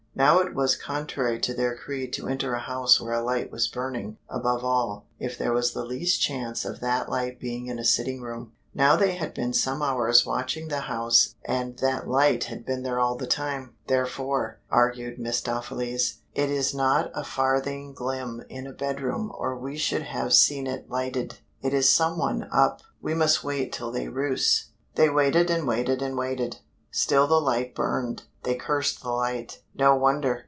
Now it was contrary to their creed to enter a house where a light was burning, above all, if there was the least chance of that light being in a sitting room. Now they had been some hours watching the house and that light had been there all the time, therefore, argued mephistopheles, "It is not a farthing glim in a bedroom or we should have seen it lighted. It is some one up. We must wait till they roost." They waited and waited and waited. Still the light burned. They cursed the light. No wonder.